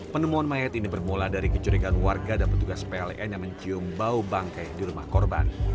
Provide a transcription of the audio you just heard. penemuan mayat ini bermula dari kecurigaan warga dan petugas pln yang mencium bau bangkai di rumah korban